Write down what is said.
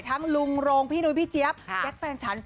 ทั้งรุงโรงพี่โน้ยพี่เจี๊ยบแย็กแฟนฉัน